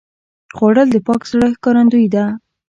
خوړل د پاک زړه ښکارندویي ده